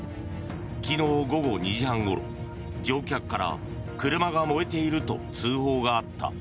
昨日午後２時半ごろ乗客から車が燃えていると通報があった。